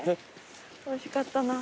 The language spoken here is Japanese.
おいしかったな。